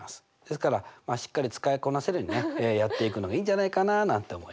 ですからしっかり使いこなせるようにねやっていくのがいいんじゃないかななんて思いますね。